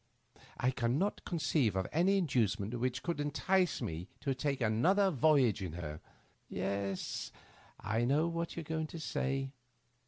I can not conceive of any inducement which could entice me to make another voyage in her. Tes, I know what you are going to say.